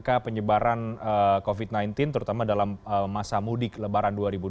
angka penyebaran covid sembilan belas terutama dalam masa mudik lebaran dua ribu dua puluh